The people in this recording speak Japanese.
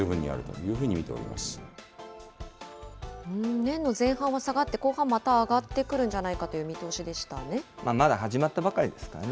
年の前半は下がって、後半また上がってくるんじゃないかといまだ始まったばかりですからね。